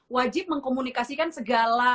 wajib mengkomunikasikan segala